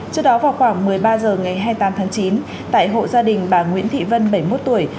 trước đó vào khoảng một mươi ba h ngày hai mươi tám tháng chín tại hộ gia đình bà nguyễn thị vân bảy mươi một tuổi